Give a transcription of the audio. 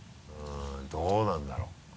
どうなんだろう？